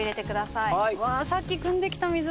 さっきくんできた水だ。